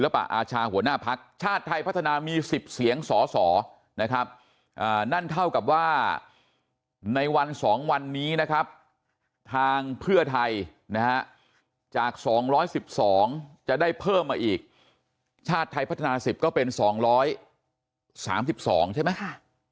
ปะอาชาหัวหน้าพักชาติไทยพัฒนามี๑๐เสียงสสนะครับนั่นเท่ากับว่าในวัน๒วันนี้นะครับทางเพื่อไทยนะฮะจาก๒๑๒จะได้เพิ่มมาอีกชาติไทยพัฒนา๑๐ก็เป็น๒๓๒ใช่ไหม